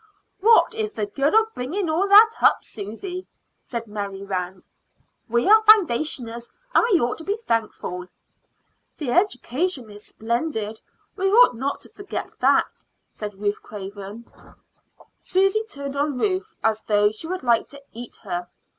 "What is the good of bringing all that up, Susy?" said Mary Rand. "We are foundationers, and we ought to be thankful." "The education is splendid; we ought not to forget that," said Ruth Craven. Susy turned on Ruth as though she would like to eat her.